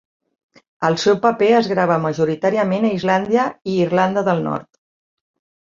El seu paper es grava majoritàriament a Islàndia i Irlanda del Nord.